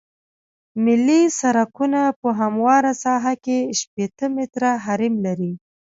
ملي سرکونه په همواره ساحه کې شپیته متره حریم لري